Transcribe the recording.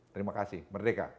terima kasih merdeka